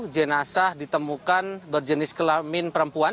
jenazah ditemukan berjenis kelamin perempuan